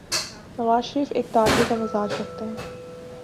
نوازشریف ایک تاجر کا مزاج رکھتے ہیں۔